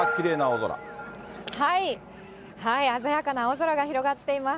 ああ、鮮やかな青空が広がっています。